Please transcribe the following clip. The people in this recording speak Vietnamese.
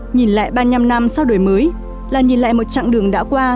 nhìn lại ba mươi năm năm sau đổi mới là nhìn lại một chặng đường đã qua